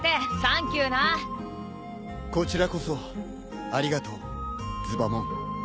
こちらこそありがとうズバモン。